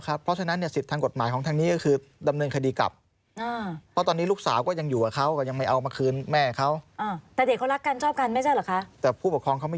เขาก็มั่นใจว่ะมันเป็นห่วยของเขาอ่ะเขามั่นใจอย่างนั้น